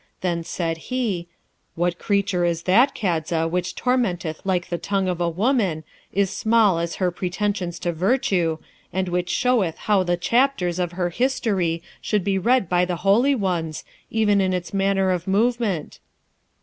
Then said he, 'What creature is that, Kadza, which tormenteth like the tongue of a woman, is small as her pretensions to virtue, and which showeth how the chapters of her history should be read by the holy ones, even in its manner of movement?'